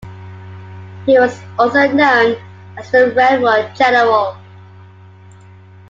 He was also known as "The Railroad General".